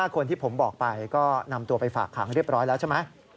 คนที่ผมบอกไปก็นำตัวไปฝากขังเรียบร้อยแล้วใช่ไหม